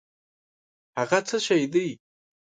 هٔغه څه شی دی؟